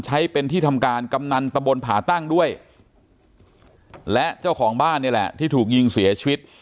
ใช้เป็นที่ทำการกำนันตะบนผ่าตั้งด้วยและเจ้าของบ้านนี่แหละที่ถูกยิงเสียชีวิต